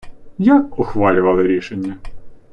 Як ухвалювали рішення?